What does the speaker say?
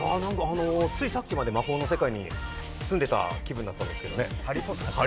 ついさっきまで魔法の世界に住んでいた気分だったんですけどね。